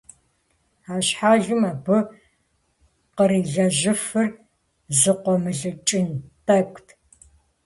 А щхьэлым абы кърилэжьыфыр зыкъуэмылӀыкӀын тӀэкӀут.